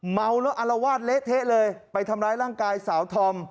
เมาแล้วอารวาสเละเทะเลยไปทำร้ายร่างกายสาวธอม